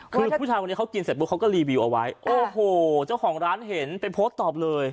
คือผู้ชายคนนี้เขากินเสร็จปุ๊บเขาก็รีวิวเอาไว้โอ้โหเจ้าของร้านเห็นไปโพสต์ตอบเลย